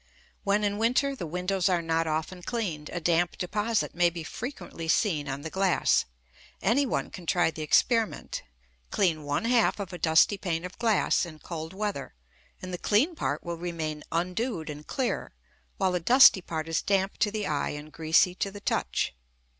When in winter the windows are not often cleaned, a damp deposit may be frequently seen on the glass. Any one can try the experiment. Clean one half of a dusty pane of glass in cold weather, and the clean part will remain undewed and clear, while the dusty part is damp to the eye and greasy to the touch.